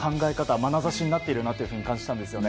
まなざしになっていると感じたんですね。